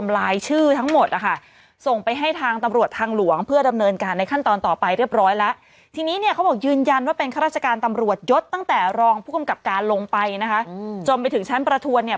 ลงไปนะคะอืมจนไปถึงชั้นประทัวร์เนี้ย